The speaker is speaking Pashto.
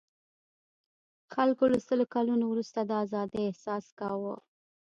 خلکو له سلو کلنو وروسته د آزادۍاحساس کاوه.